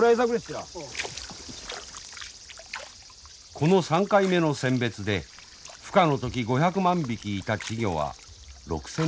この３回目の選別で孵化の時５００万匹いた稚魚は６，０００匹に絞られます。